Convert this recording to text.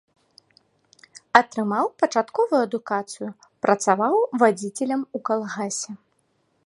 Атрымаў пачатковую адукацыю, працаваў вадзіцелем у калгасе.